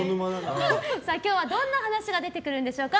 今日はどんな話が出てくるんでしょうか。